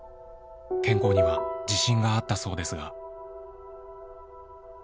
健康には自信があったそうですが。